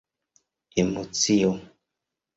emocio